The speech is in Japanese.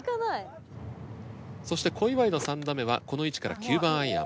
そして小祝の３打目はこの位置から９番アイアン。